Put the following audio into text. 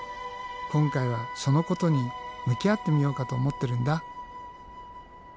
今回はそのことに向き合ってみようかと思ってるんだ。